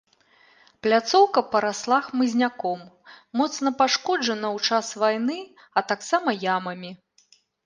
Пляцоўка парасла хмызняком, моцна пашкоджана ў час вайны, а таксама ямамі.